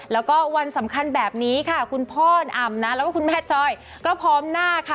แล้วก็วันสำคัญแบบนี้ค่ะคุณพ่ออ่ำนะแล้วก็คุณแม่ซอยก็พร้อมหน้าค่ะ